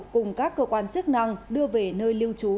cùng các cơ quan chức năng đưa về nơi lưu trú